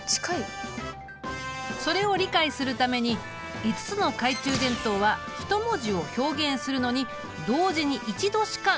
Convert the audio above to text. それを理解するために５つの懐中電灯は１文字を表現するのに同時に一度しか点灯できないことにした。